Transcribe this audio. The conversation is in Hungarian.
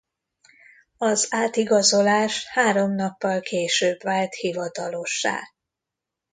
Az átigazolás három nappal később vált hivatalossá.